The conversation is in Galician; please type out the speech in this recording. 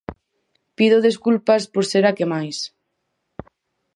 Pido desculpas por ser a que máis.